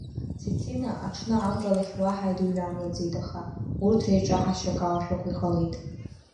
Цицина аҽны Амра лахь уаҳа дыҩнамлаӡеит аха, урҭ реиҿаҳашьа акалашәақәа иҟалеит.